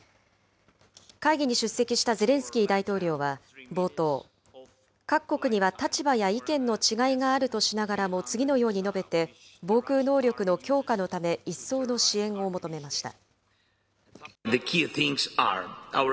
会議に出席したゼレンスキー大統領は冒頭、各国には立場や意見の違いがあるとしながらも次のように述べて、防空能力の強化のため、一層の支援を求めました。